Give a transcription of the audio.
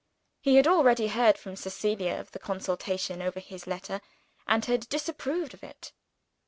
He had already heard from Cecilia of the consultation over his letter, and had disapproved of it.